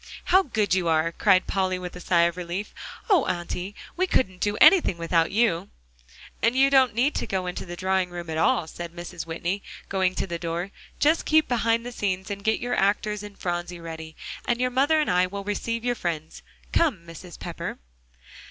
"How good you are," cried Polly with a sigh of relief. "Oh, Auntie! we couldn't do anything without you." "And you don't need to go into the drawing room at all," said Mrs. Whitney, going to the door. "Just keep behind the scenes, and get your actors and Phronsie ready, and your mother and I will receive your friends. Come, Mrs. Pepper."